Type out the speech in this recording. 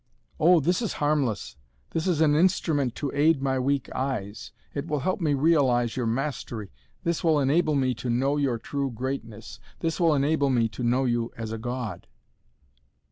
"Oh, this is harmless! This is an instrument to aid my weak eyes! It will help me realize your mastery! This will enable me to know your true greatness. This will enable me to know you as a god."